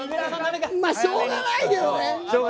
しょうがないけどね。